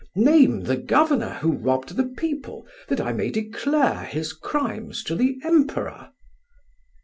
Name the governor who robbed the people that I may declare his crimes to the Emperor!"